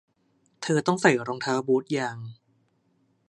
เธอต้องใส่รองเท้าบูทยาง